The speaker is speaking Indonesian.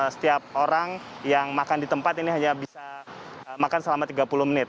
setiap orang yang makan di tempat ini hanya bisa makan selama tiga puluh menit